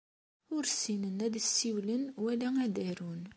Ur ssinen ad ssiwlen wala ad arun.